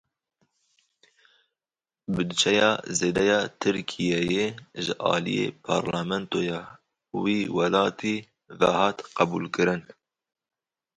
Budceya zêde ya Tirkiyeyê ji aliyê parlamentoya wî welatî ve hat qebûlkirin.